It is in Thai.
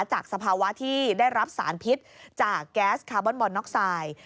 สภาวะที่ได้รับสารพิษจากแก๊สคาร์บอนบอนน็อกไซด์